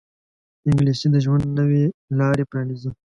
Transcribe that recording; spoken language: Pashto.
انګلیسي د ژوند نوې لارې پرانیزي